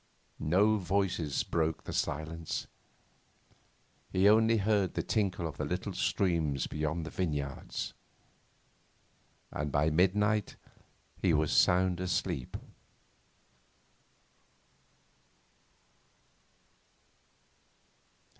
No voices broke the silence. He only heard the tinkle of the little streams beyond the vineyards. And by midnight he was sound asleep.